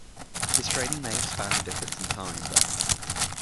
His training may have spanned the difference in time, though.